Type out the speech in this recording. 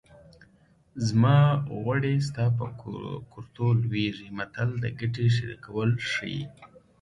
زما غوړي ستا په کورتو لوېږي متل د ګټې شریکول ښيي